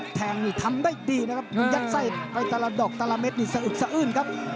แทงนี่ทำได้ดีนะครับยัดไส้ไปแต่ละดอกแต่ละเม็ดนี่สะอึกสะอื้นครับ